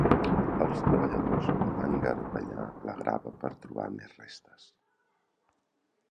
Els treballadors van garbellar la grava per trobar més restes.